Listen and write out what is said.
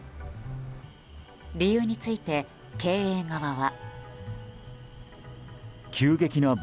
理由について経営側は。